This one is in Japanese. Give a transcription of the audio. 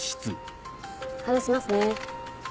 外しますね。